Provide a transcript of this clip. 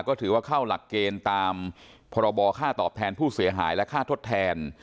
ก็ถือว่าเข้าหลักเกณฑ์ตามพรบค่าตอบแทนผู้เสียหายและค่าทดแทน